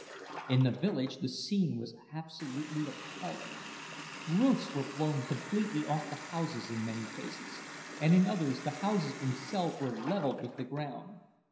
In the village the scene was absolutely appalling. Roofs were blown completely off the houses in many cases, and in others the houses themselves were levelled with the ground.